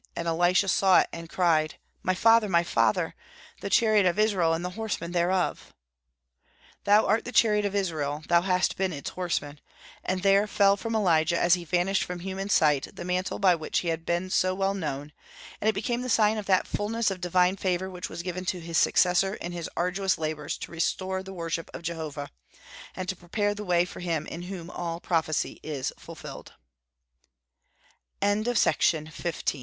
And Elisha saw it, and he cried, 'My father, my father! the chariot of Israel, and the horsemen thereof !'" Thou art the chariot of Israel; thou hast been its horsemen! And then there fell from Elijah, as he vanished from human sight, the mantle by which he had been so well known; and it became the sign of that fulness of divine favor which was given to his successor in his arduous labors to restore the worship of Jehovah, "and to prepare the way for Him in whom all prophecy is fulfilled." ISAIAH. PROPHESIED 740 701 B.C.